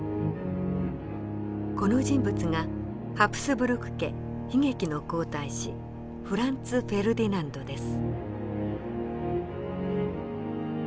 この人物がハプスブルク家悲劇の皇太子フランツ・フェルディナンドです。